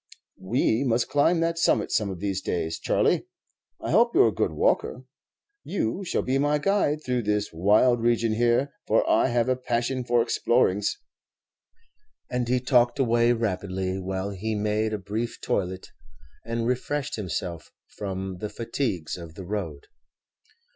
"We must climb that summit some of these days, Charley. I hope you 're a good walker. You shall be my guide through this wild region here, for I have a passion for explorings." And he talked away rapidly, while he made a brief toilet, and refreshed himself from the fatigues of the road.